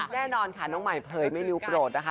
แน่นอนค่ะน้องใหม่เผยไม่นิ้วโปรดนะคะ